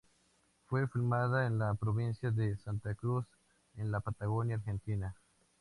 Fue filmada en la provincia de Santa Cruz, en la Patagonia argentina.